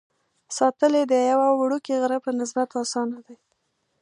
ساتل یې د یوه وړوکي غره په نسبت اسانه دي.